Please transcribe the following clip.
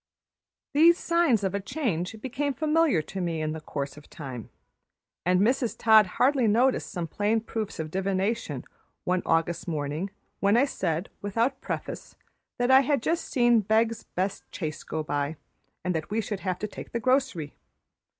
These signs of a change became familiar to me in the course of time, and Mrs. Todd hardly noticed some plain proofs of divination one August morning when I said, without preface, that I had just seen the Beggs' best chaise go by, and that we should have to take the grocery.